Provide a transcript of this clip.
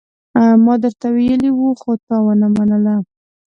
ما درته ويلي وو، خو تا ونه منله.